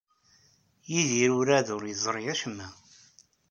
Yidir werɛad ur yeẓri acemma.